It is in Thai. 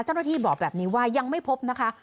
เจ้าหน้าที่บอกแบบนี้ว่ายังไม่พบนะคะ